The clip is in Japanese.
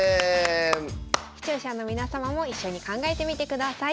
視聴者の皆様も一緒に考えてみてください。